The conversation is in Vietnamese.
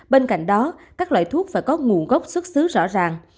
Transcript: bên cạnh đó các loại thuốc phải có nguồn gốc xuất xứ rõ ràng